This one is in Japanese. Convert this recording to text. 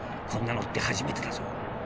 こんなのって初めてだぞ。